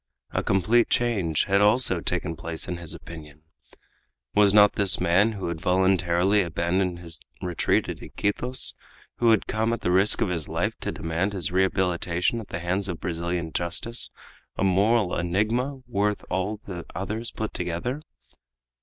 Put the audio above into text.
A complete change had also taken place in his opinion. Was not this man, who had voluntarily abandoned his retreat at Iquitos, who had come at the risk of his life to demand his rehabilitation at the hands of Brazilian justice, a moral enigma worth all the others put together?